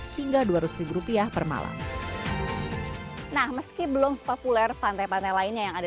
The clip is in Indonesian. hingga dua ratus rupiah per malam nah meski belum sepopuler pantai pantai lainnya yang ada